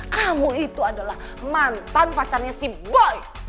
kamu itu adalah mantan pacarnya si boy